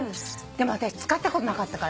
でもあたし使ったことなかったから。